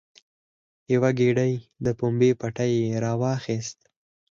یوه ګېډۍ د پمبې پټی یې راواخیست.